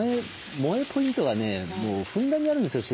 萌えポイントがねもうふんだんにあるんですよ